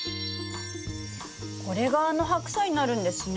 これがあのハクサイになるんですね。